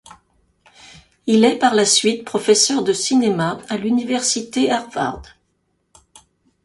Il est par la suite professeur de cinéma à l'Université Harvard.